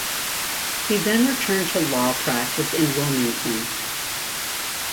He then returned to law practice in Wilmington.